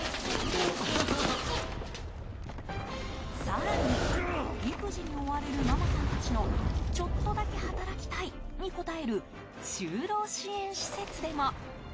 更に、育児に追われるママさんたちのちょっとだけ働きたいに応える就労支援施設でも。